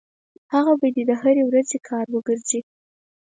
هغه به دې د هرې ورځې کار وګرځي.